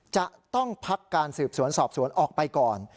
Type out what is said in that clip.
จะต้องพักการสืบสวนสอบสวนออกไปก่อน